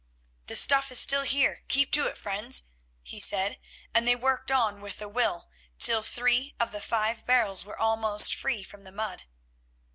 "The stuff is still here, keep to it, friends," he said, and they worked on with a will till three of the five barrels were almost free from the mud.